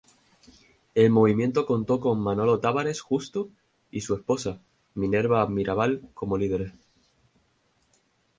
El movimiento contó con Manolo Tavárez Justo y su esposa Minerva Mirabal como líderes.